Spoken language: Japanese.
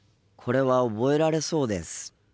これは覚えられそうです。